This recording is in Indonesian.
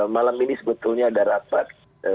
malam ini sebetulnya ada rapat